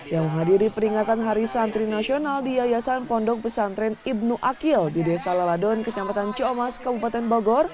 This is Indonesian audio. yang menghadiri peringatan hari santri nasional di yayasan pondok pesantren ibnu akil di desa laladon kecamatan ciomas kabupaten bogor